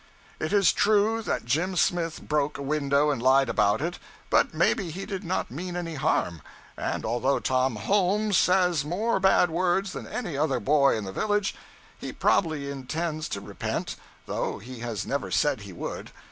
'It is true that Jim Smith broke a window and lied about it but maybe he did not mean any harm. And although Tom Holmes says more bad words than any other boy in the village, he probably intends to repent though he has never said he would.